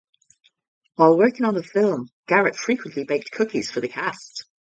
While working on the film, Garrett frequently baked cookies for the cast.